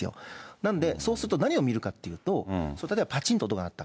なんで、そうすると何を見るかっていうと、例えば、ぱちんと音が鳴った。